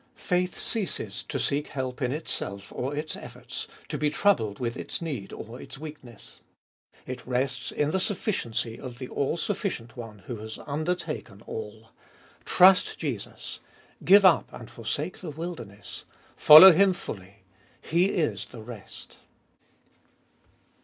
Faith ceases to seek help in itself or its efforts, to be troubled with its need or its weakness ; it rests in the sufficiency of the all sufficient One who has undertaken all. Trust Jesus. Give up and forsake the wilderness. Follow Him fully : He is the rest.